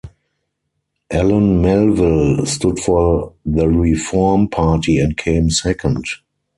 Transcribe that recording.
Ellen Melville stood for the Reform Party and came second.